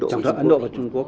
trong đó thì ấn độ và trung quốc